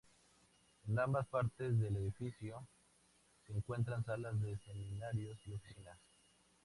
En ambas partes del edificio se encuentran salas de seminarios y oficinas.